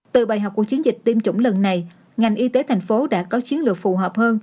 từ bài học của chiến dịch tiêm chủng lần này ngành y tế thành phố đã có chiến lược phù hợp hơn